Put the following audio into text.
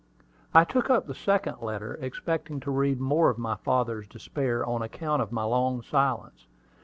I took up the second letter, expecting to read more of my father's despair on account of my long silence.